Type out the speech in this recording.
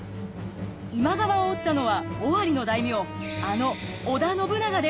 今川を討ったのは尾張の大名あの織田信長です。